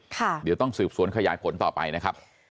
เดี๋ยวต้องสืบสวนขยายผลต่อไปนะครับ